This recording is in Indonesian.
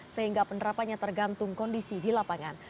sehingga penerapannya tergantung kondisi di lapangan